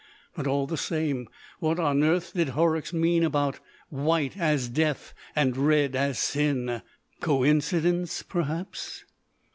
But all the same, what on earth did Horrocks mean about "white as death" and "red as sin"? Coincidence, perhaps?